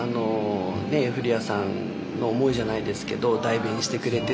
古谷さんの思いじゃないですけど代弁してくれてるって。